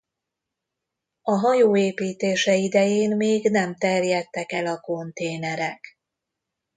A hajó építése idején még nem terjedtek el a konténerek.